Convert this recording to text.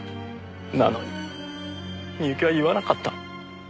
なのに深雪は言わなかった。